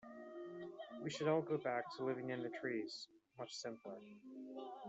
We should all go back to living in the trees, much simpler.